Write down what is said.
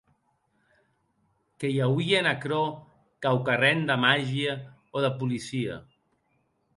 Que i auie en aquerò quauquarren de magia o de policia.